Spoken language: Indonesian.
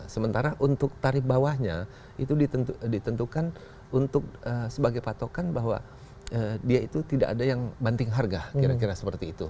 sementara untuk tarif bawahnya itu ditentukan untuk sebagai patokan bahwa dia itu tidak ada yang banting harga kira kira seperti itu